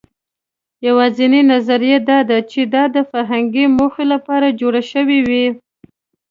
یواځینۍ نظریه دا ده، چې دا د فرهنګي موخو لپاره جوړ شوي وو.